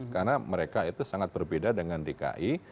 karena mereka itu sangat berbeda dengan dki